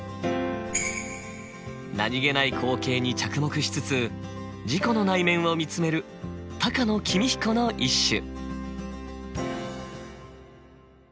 何気ない光景に着目しつつ自己の内面を見つめる高野公彦の一首。